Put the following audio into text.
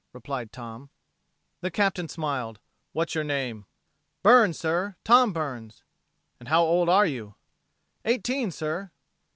replied Tom. The Captain smiled: "What's your name?" "Burns, sir. Tom Burns." "And how old are you!" "Eighteen, sir."